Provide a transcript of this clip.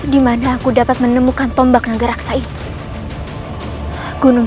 dimana aku dapat menemukan tombak negerang